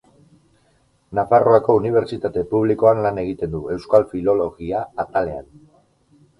Nafarroako Unibertsitate Publikoan lan egiten du, Euskal Filologia atalean.